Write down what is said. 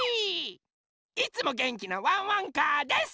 いつもげんきなワンワンカーです！